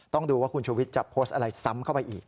ต้องดูว่าคุณชูวิทย์จะโพสต์อะไรซ้ำเข้าไปอีก